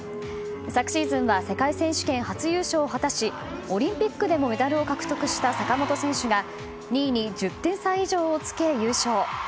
昨シーズンは世界選手権初優勝を果たしオリンピックでもメダルを獲得した坂本選手が２位に１０点差以上をつけ優勝。